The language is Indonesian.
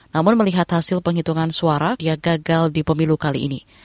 namun melihat hasil penghitungan suara dia gagal di pemilu kali ini